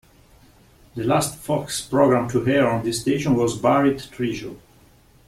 The last Fox program to air on this station was "Buried Treasure".